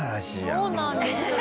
そうなんですよ。